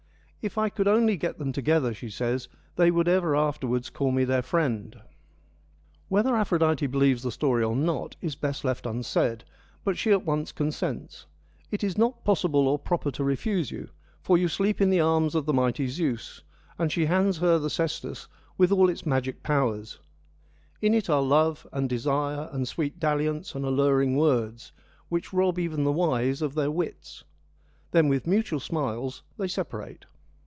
' If I could only get them together,' she says, ' they would ever afterwards call me their friend.' Whether Aphrodite believes the story or not is best left unsaid, but she at once consents :' It is not possible or proper to refuse you, for you sleep in the arms of the mighty Zeus,' and she hands her the cestus with all its magic powers —' in it are love and desire and sweet dalliance and alluring words, which rob even the wise of their wits '— then with mutual smiles they separate.